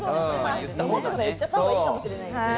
言っちゃったほうがいいかもしれないですね。